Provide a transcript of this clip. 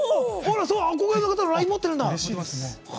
憧れの方のＬＩＮＥ、持ってるんだ！